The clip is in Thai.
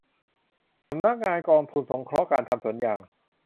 สำนักงานกองทุนสงเคราะห์การทำสวนยาง